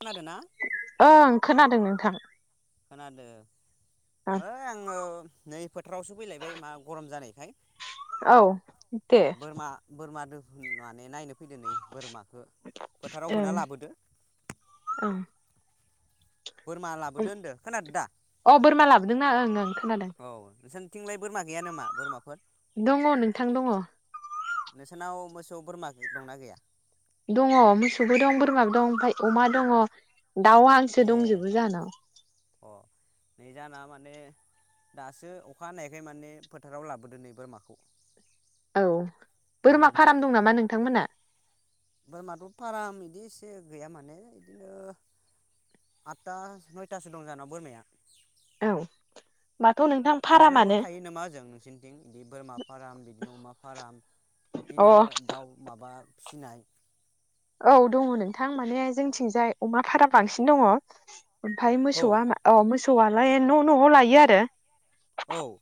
खोनादोना ओं खोना दों नोंथां। खोनादो? ओं है आंङो नै फोथारावसो फैलायबाय मा गरम जानायखाय। औ दे। बोरमा बोरमा दो माने नायनो फ फैदो नै बोरमाखौ फोथाराव ओं होना लाबोदो ओं बोरमा लाबोदो होनदो खोनादों दा अ बोरमा लाबोदोंना ओं ओं खोनादों औ नोंसा थिंलाय बोरमा गैया नामा बोरमाफोर? दंङ नोंथां दंङ। सौ बोरमा दंना गैया? दङ मोसौबो दं बोरमा दं ओमफ्राय अमा दङ दाउ हांसो ए दंजोबो जोंंहानाव। अ नै जाना माने दासो अखा हानायखाय माने फोथाराव लाबोदो नै बोरमाखौ। औ उम बोरमा फाराम दं नामा नोंथांमोना? बोरमाथ' फाराम बिदि एसे गैया माने बिदिनो आदथा नयथासो दं जाहानाव बोरमाया। औ। माथ' नोंथां नोंसिनावबो फारामानो थायो नामा ओजों नोंसिनथिं बिदि बोरमा फाराम बिदिनो अमा फाराम अ बिदिनो दाउ माबा फिनाय औ दङ नोंथां माने जोंथिंजाय अमा फाराम बांसिन दंङ। ओमफ्राय औ मोसौआ मा अ मोसौ सौआलाय न' न'आव लायो आरो। औ।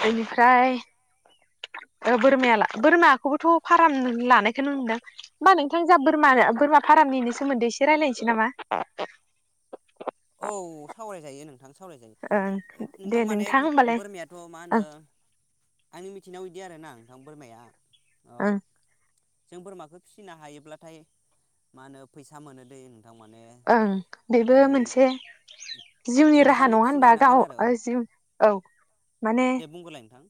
बेनिफ्राय बोरमाया ला बोरमाखौबोथ' फाराम लानायखौनो नुदों होमबा नोंथां जा बोरमा ला बोरमा फारामनि सोमोन्दै एसे रायज्लायनोसै नामा? औ सावराय जायो नोंथां। सावराय ओं जायो दे नोंथां माने होमबालाय बोरमायाथ' मा होनो ओं आंनि मिथिनायाव बिदि आरो ना नोंथां बोरमाया ओ ओं। जों बोरमाखौ फिसिनो हायोब्लाथाय मा होनो फैसा मोनो दे ओं बेबो मोनसे जिउनि राहा मोजाङै नङा फिसिनो होनबा हानांगोन गाव आरो औ जिव औ माने दे बुंगोरलाय नोंथां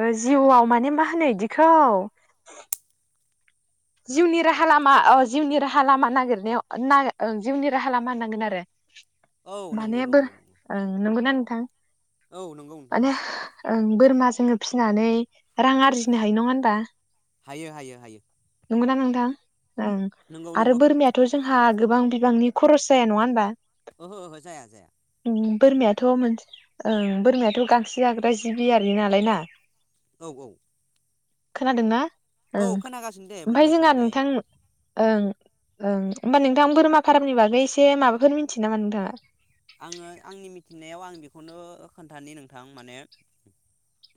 ओ जिउआव माने मा होनो इदिखौ जिउनि राहा लामा ओ जिउनि राहा लामा नागिरनायाव नागि ओ जिउनि राहा लामा होननांगोन आरो। औ नंगौ माने बो नंगौ नंगौ ओ नोंगौना नोंथां? औ नोंगौ नोंथां माने औ। ओं बोरमा जोङो फिनानै रां आरजिनो हायो नङा होनबा। हायो हायो हायो। नंगौना नोंथां? ओं नंगौ आरो नंगौ बोरमायाथ' जोंहा गोबां बिबांनि खरस जाया नङा होनबा। ओहो ओहो जाया जाया। उम बोरमायाथ' मोनसे ओ बोरमायाथ गांसो जाग्रा जिबियारि नालाय ना। औ औ। खोनादोंना? औ खोनागासिनो दे ओमफाय बुंबाय जोंहा थालाय नोंथां ओं ओं होमबा नोंथां बोरमा फारामनि बागै एसे माबाफोर मिनथियो नामा नोंथाङा? आङो आंनि मिथिनायाव आं बेखौनो ओ खोन्थानि नोंथां माने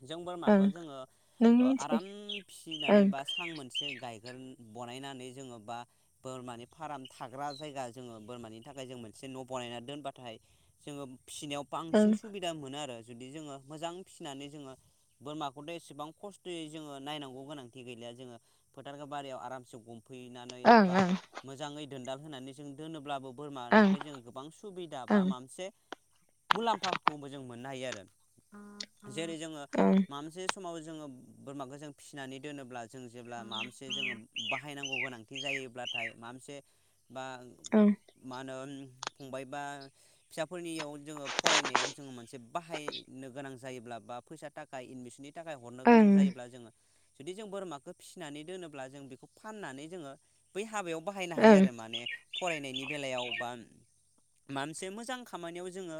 जों ओं बोरमाखौ जोङो नोंनि ओ मिथिनाय आराम फिसिनानै ओं बा सां मोनसे गायगोन बनायनानै जोङो बा बोरमानि फार्म थाग्रा जायगा जोङो बोरमानि थाखाय जों मोनसे न' बनायना दोनबा थाय जोङो फिसिनायाव बांसिन ओं सुबिदा मोनो आरो। जुदि जोङो मोजां फिसिनानै जोङो बोरमाखौथ' एसेबां खस्थयै जोङो नायनांगौ गोनांथि गैलिया जोङो फोथारखौ बारियाव आरामसे गुम फैनानै ओं बा ओं मोजाङै दोनदाल होनानै जों दोनोब्लाबो बोरमानिफ्राय जोङो गोबां सुबिदा बा ओं मामसे मुलाम्फाखौ जों मोननो हायो आ रो। जेरै जोङो मा ओं मोनसे समाव जोङो बोरमाखौ जों फिसिनानै दोनोब्ला जों जेब्ला मा मोनसे जोङो बाहायनांगौ गोनांथि जायोब्लाथाय मा मोनसे बा ओं मा होनो फंबायबा फिसाफोरनियाव जोङो फरायनायाव जोङो मोनसे बाहायनो गोनां ज जायोब्ला बा फैसा थाखाय एडमिसननि थाखाय हरनो गोनां ओं जायोब्ला जोङो जुदि जों बोरमाखौ फिसिनानै दोनोब्ला जों बेखौ फाननानै जोङो बै हाबायाव बाहायनो हायो ओं आरो माने फनायनि बेलायाव बा मामसे मोजां खामानियाव जोङो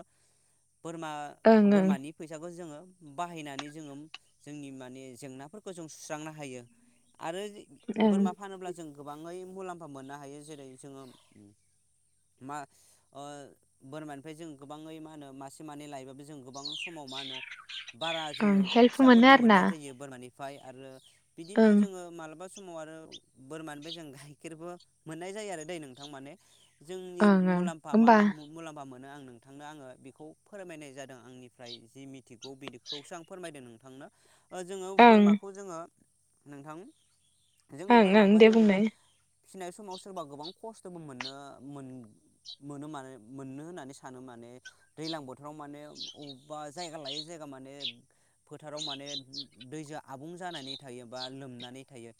बोरमा ओं बोरमानि फैसाखौ जोङो बाहायनानै जोङो जोंनि माने जेंनाफोरखौ जों सुस्रांनो हायो आरो जे ओं बोरमा फानोब्ला जों गोबाङै मुलाम्फा मोननो हायो जेरै जोङो मा ओ बोरमानिफ्राय जों गोबाङै मा होनो मासे मानै लायोबाबो जों गोबां समाव मा होनो बारा ओं जोङो हेल्प मोनो फिसाफोरखौ आरो ना मोननाय जायो बोरमानि फाइ आरो बिदिनो ओं जोङो मालाबा सम समाव आरो बोरमानि बे जों गाइखेरबो मोननाय जायो आरो दै नोंथां माने जोंनि ओं ओं मुलाम्फा मा होमबा मा मु मुलामा मोनो आं नोंथांनो आङो बेखौ फोरमायनाय जादों आंनिफ्राय जि मिथिगौ बिखौसो आं फोरमायदों नोंथांनो जोङो ओं बोरमाखौ जोङो नोंथां जोङो ओं ओं बोरमाखौ दे जोङो बुंनाय फिसिनाय समाव सोरबा गोबां खस्थ'बो मोननो मोन मोनो माने मोननो होननानै सानो माने दैज्लां बोथोराव माने वबेबा जायगा लायै जायगा माने फोथाराव माने दैजों आबुं जानानै थायो बा लोमनानै थायो।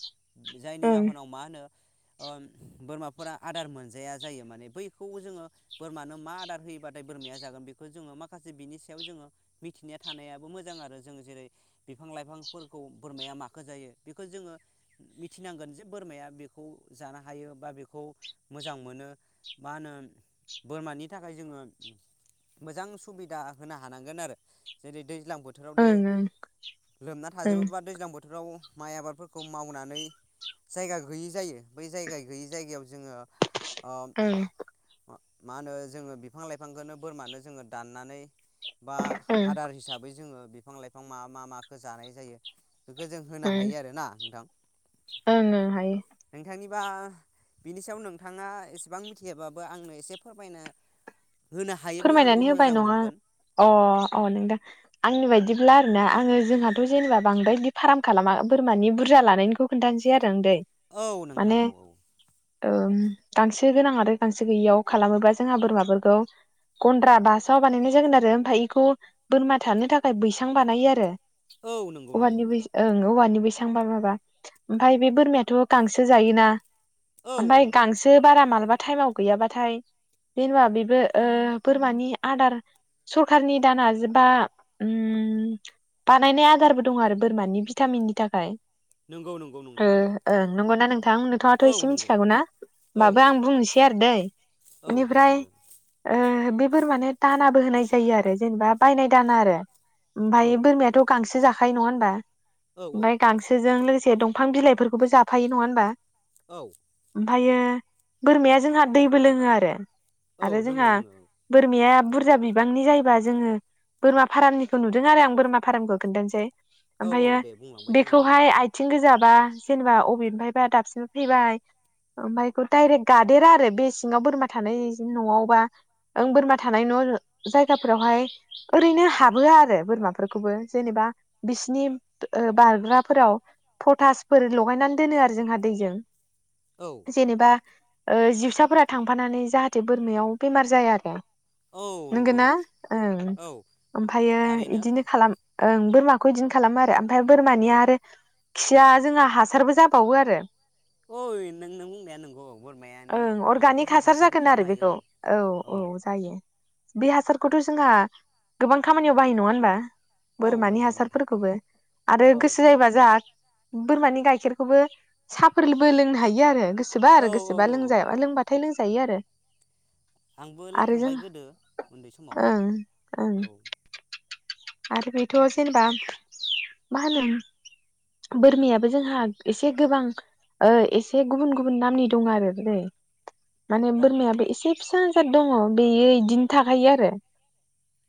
जायनि ओं जाहोनाव मा होनो, ओ बोरमाफोरा आदार मोनजाया जायो माने बैखौ खौ जोङो बोरमानो मा आदार होयोबाथाय बोरमाया जागोन बेखौ जोङो माखासे बिनि सायाव जोङो मिथिनाया थानायाबो मोजां आरो जोङो जेरै बिफां लाइफांफोरखौ बोरमाया माखौ जायो बेखौ जोङो मिथिनांगोन जे बोरमाया बेखौ जानो हायो बा बेखौ मोजां मोनो। मा होनो बोरमानि थाखाय जोङो मोजां सुबिदा होनो हानांगोन आरो जेरै दै दैज्लां बोथोराव दे ओं ओं लोमना ओं थाजोबोबा दैज्लां बोथोराव माइ आबादफोरखौ मावनानै जायगा गैयै जायो बै जायगा गैयै जायगायाव जोङो ओ ओं मा होनो जोङो बिफां लाइफांखौनो बोरमानो जोङो दाननानै बा आदार हिसाबै जोङो बे बिफां लाइफां मा मा माखौ जानाय जायो बेखौ जों होनो ओं हायो आर ना नोंथां। ओं ओं हायो। बा बिनि सायाव नोंथाङा एसेबां मिथियाबाबो आंनो एसे फोरमायनो फोरमायनानै होबाय नङा अ अ नोंदा आंनि बायदि ब्ला आरोना आङो जोंहाथ' जेनेबा बांद्राय दि फाराम खालामा बोरमानि बुरजा लानायनिखौ खोन्थानोसै आरो। [unintelligible] औ नोंथां माने औ औ ओम गांसो गांसो गोनां आरो गांसो गैयियाव खालामोबा जोंहा बोरमाफोरखौ गन्द्रा बासा‌ बानायनाय जागोन आरो ओमफाय इखौ बोरमा थानो थाखाय बैसां बानायो आरो। औ नंगौ नंगौ औवानि नंगौ बैस ओं औवानि बैसांबा माबा ओमफाय बे बोरमायाथ' गांसो जायोना? औ औ ओमफाय गांसो बारा मालाबा थाइमाव गैयाबाथाय जेन'बा बे बे ओ इ आदार सरखारनि दाना सरखारनि आदार बा उम बानायनाय आदारबो दंआरो बोरमानि भिटामिननि थाखाय। नंगौ नंगौ ओ नोंथां ओं नोंगौना नोंथां नोंथाङाथ' औ एसे नंगौ मिन्थिखागौना औ होमबाबो आं औ बुंनोसै आरो दै औ दे इनिफ्राय बुंदों ओ बेफोर माने दानाबो होनाय जायोआरो जेनेबा बायनाय दाना आरो औ ओमफाय बोरमायाथ' गांसो जा खायो नङा होनबा। औ औ ओमफाय गांसोजों लोगो से दंफां बिलाइफोरखौबो जाफायो नङा होनबा। औ ओमफायो बोरमाया जोंहा दैबो लोङो आरो। औ आरो लोङो जोंहा लोङो औ बोरमाया बुरजा बिबांनि जायोबा जोङो बोरमा फारामनिखौ नुदोंआरो आं बोरमा फारामखो खोन्थानोसै औ औ ओमफायो दे बुंलांबाय था नोंथां बेखौहाय आइथिं गोजा बा जेनेबा अबेनफायबा दाबसे बा जेनबा अबेनफायबा दाबसेनिफाय फैबाय ओमफाय इखौ डायरेक्ट गादेराआरो बे सिङाव बोरमा थानाय जि न'आव बा ओं बोरमा थानाय न'आरो जायगाफोरावहाय ओरैनो हाबो आरो बोरमाफोरखौबो जेनेबा बिसिनि ओ बारग्राफोराव पटासफोर लगायनानै दोनो आरो जोंहा दैजों। औ जेनेबा ओ जिउसाफोरा थांफानानै जाहाथे बोरमायाव बेमार जाया औ [unintelligible] औ नोंगोना ओं औ ओमफायो थारैनो इदिनो खालाम ओं बोरमाखौ इदिनो खालामो आरो ओमफाय बोरमानिया आरो खिया जोंहा हासारबो जाबावो आरो। ओइ नों नों बुंनाया नोंगौ बोरमायानि ओं माबाखौ अर्गानिक जों हासार हासारबो जागोन आरो खालामनो बेखौ हायो औ। औ जायो। बे हासारखौथ' जोंहा गोबां खामानियाव बाहायो नङा होनबा? औ बोरमानि नंगौ नोंथां हासारफोरखौबो आरो औ गोसो जायोबा जोहा बोरमानि गाइखेरखौबो साहफोरबो लोंनो हायो आरो गो सोबा औ आरो औ गोसोबा औ औ लोंजाबा लोंबथाय लों जायो आरो आंबो आरो जों लोंखांबाय गोदो उन्दै समाव ओं ओं औ आरो बेथ' जेनेबा मा होनो बोरमायाबो जोंहा एसे गोबां ओ एसे गुबुन गुबुन नामनि दंआरो [unintelligible] माने औ बोरमायाबो एसे फिसा जाद दङ' बेयो इदिनो थाखायो आरो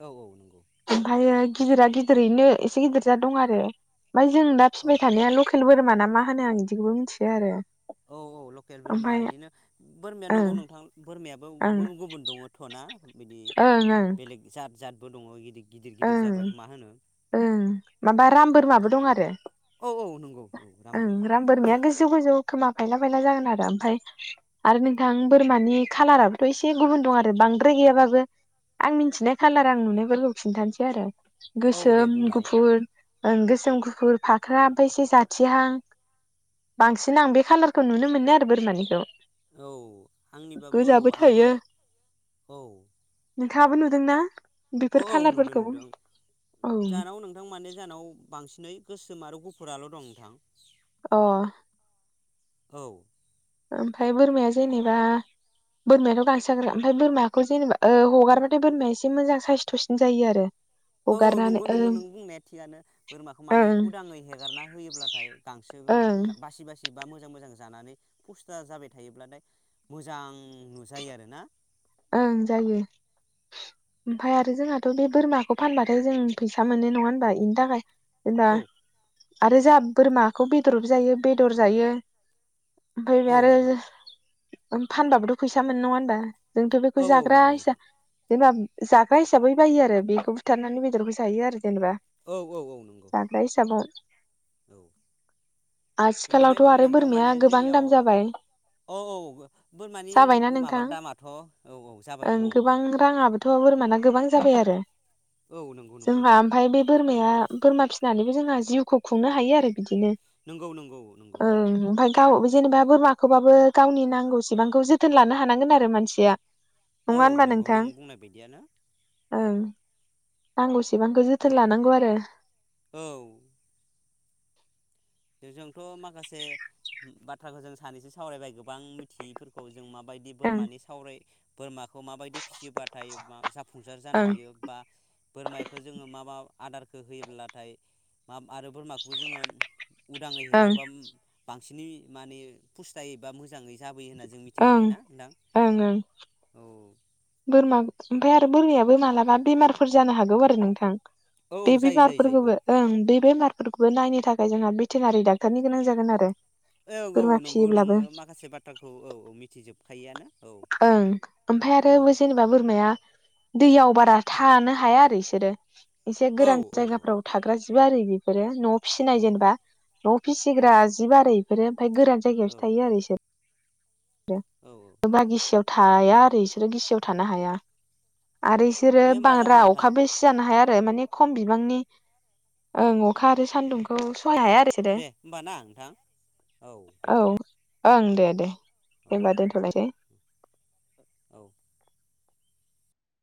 औ औ नोंगौ ओमफ्रायो गिदिरा गिदिरैनो एसे गिदिर जाद दंआरो ओमफाय जों दा औ फिबाय थानाया लकेल बोरमाना मा होनो आं इदिखौबो मिन्थिया आरो औ औ लकेल बोरमा ओमफ्राय बिदिनो बोरमाया ओं नंगौ नोंथां बोरमायाबो ओं गुबुन गुबुन दङथ'ना बिदि ओं ओं बेलेग जाद जाद दङ गिदिर गिदिर ओं जाग्राखौ मा होनो ओं माबा राम बोरमाबो दं आरो औ औ नंगौ औ ओं रामबो राम बोरमाया गोजौ गोजौ खोमा फायला बायला जागोन आरो ओमफ्राय आरो नोंथां बोरमानि खालाराबोथ' एसे गुबुन दं आरो बांद्राय गैयाबाबो आं मिनथिनाय खाालार आं नुनाय ब खिन्थानोसै आरो औ दे गोसोम बुंलाय गुफुर ओ गोसोम गुफुर फाख्रा ओमफ्राय एसे जाथिहां बांसिन आं बे खाालारखौ नुनो मोनो आरो बोरमानिखौ औ आंनिबाबो औ गोजाबो आंबो थायो औ थाबो नुदोंना औ बेफोर औ नुदों कालारफोरखौ नुदों औ जानाव नोंथां माने जोंनाव बांसिन ननै गोसोम आरो गुफुराल' दं नोंथां अह औ ओमफ्राय बोरमाया जेनेबा बोरमायाथ' गांसो जाग्रा ओमफ्राय बोरमाखौ जेनेबा हगारबाथाय बोरमाया एसे मोजां साइस्थ'सिन जायो आरो औ औ हगारनानै नंगौ नंगौ ओं नों बुंनाया थिगानो बोरमाखौ माने ओं उदाङै हेगारना होयोब्लाथाय गांसो ओं बासि बासि बा मोजां मोजां जानानै पस्टार जाबाय थायोब्लाथाय मोजां नुजायो आर ना ओं जायो ओमफफ्राय आरो जोंहाथ' बे बोरमाखौ फानबाथाय जों फैसा मोनो नङा होनबा बेनि थाखाय एबा औ आरो जों बोरमाखौ बेदर जायो बेदर जायो औ नोंथां [unintelligible] फानबाबोथ' फैसा मोनो नङा होनबा? जोंथ' बेखौ औ औ जाग्रा नंगौ हिसा नोंथां जेनेबा जाग्रा हिसाबै बायो आरो बेखौ बुथारनानै बेदरखौ जायो आरो जेनेबा औ औ औ नंगौ जाग्रा हिसाबाव औ बेनिफ्राय आथिखालावथ' आरो नोंथां बोरमाया माने गोबां जोंनियाव दाम जाबाय औ औ बोरमानि जाबायना माबा नोंथां दामाथ' औ जाबायथ' ओं औ गोबां रां आंहाबोथ' बोरमाना गोबां जाबाय आरो औ नंगौ नंगौ जोंहा ओमफ्राय बे बोरमाया बोरमा फिसिनानैबो जोंहा जिउखौ खुंनो हायो आरो बिदिनो नंगौ नंगौ नंगौ औ ओमपाय गाव जेनेबा बोरमाखौबाबो गावनि नांगौसेबांखौ जोथोन लानो हानांगोन आरो मानसिया नङा औ होनबा नोंगौ नोंथां नों बुंनाय बायदियानो ओं नांगौसेबांखौ जोथोन लानांगौ आरो औ जोंथ' माखासे बाथ्राखौ जों सानैसो सावरायबाय गोबां मिथियैफोरखौ जों माबायदि ओं बोरमानि सावराय बोरमा खौ माबायदि फिसियोबाथाय मा जाफुंसार जानो ओं हायो बा बोरमायखौ जोङो मा मा आदारखो होयोब्लाथाय मा आरो बोरमाखौबो जोङो उदाङै ओं हेगारबाम बां सिनि माने फुस्थायैबा मोजाङै जा बोयो होनना जों ओं मिथिबोबायना नोंथां ओं ओं औ बोरमा ओमफाय आरो बोरमायाबो मालाबा बेमारफोर जानो हागौ आरो नोंथां औ बे जायो जायो जायो औ बेमारफोरखौबो ओं बे बेमारफोरखौबो नायनो थाखाय जोंहा भेटेनारि डाक्टारनि गोनां जागोन आरो औ औ बोरमा नंगौ फिसियोब्लाबो नोङो माखासे बाथ्राखौ औ औ मिथिजोबखायोआनो औ थों बे जेनेबा बोरमाया दैयाव बारा थानो हाया आरो इसोरो एसे औ गोरान जायगाफोराव औ थाग्रा बारि बेफोरो न' फिसिनाय जेनेबा औ न'आव फिसिग्रा जिब आरि रेब फाय गोरान औ जायगायावसो औ थायो आरो इसोर औ बागिसेयाव थाया आरो इसे सोरो गिसियाव थानो हाया औ आरो इसोरो दे होमबा बांद्रा जागोन नोंथां अखाबो सिजानो हाया रो माने खम बिबांनि ओं अखा आरो सानदुंखौ दे होमबा ना नोंथां औ दे ओं दे दे दे औ होमबा दोनथलायदे [inaudible] औ